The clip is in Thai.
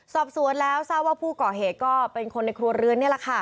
ที่เจาะผู้เกาะเหตุหนึ่งเป็นคนในครัวรืนนี้